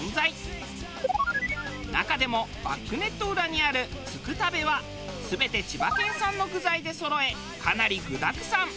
中でもバックネット裏にあるつくたべは全て千葉県産の具材でそろえかなり具だくさん。